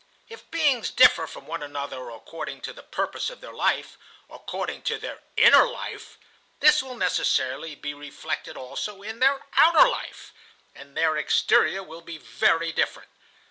If beings differ from one another according to the purpose of their life, according to their inner life, this will necessarily be reflected also in their outer life, and their exterior will be very different.